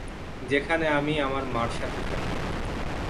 যেখানে আমি আমার মার সাথে থাকি।